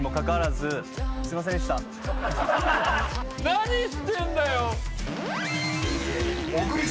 何してんだよ！